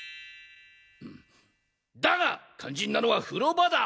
だが肝心なのは風呂場だ！